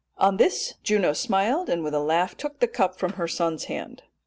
"On this Juno smiled, and with a laugh took the cup from her son's hand.